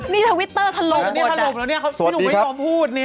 นี่ทวิตเตอร์ทะโลกหมดน่ะสวัสดีครับสวัสดีครับนี่หนูไม่เคยพูดเนี่ย